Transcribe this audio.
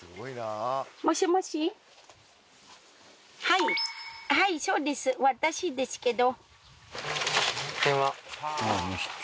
はいはいそうです私ですけど